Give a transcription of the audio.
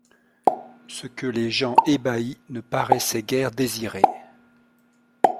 Ce que les gens ébahis ne paraissaient guère désirer.